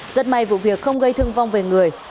rất may vụ việc không gây thương vong về người